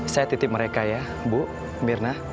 saya titip mereka ya bu mirna